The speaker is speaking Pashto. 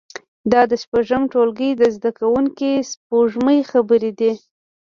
دا د شپږم ټولګي د زده کوونکې سپوږمۍ خبرې دي